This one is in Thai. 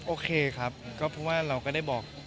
โอเคครับก็เพราะว่าเราก็ได้บอก